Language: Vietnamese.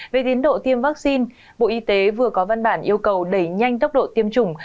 về tiến độ tiêm vaccine bộ y tế vừa có văn bản yêu cầu đẩy nhanh tốc độ tiêm chủng